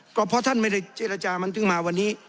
ก็เพราะท่านไม่ได้เจรจามันถึงมาวันนี้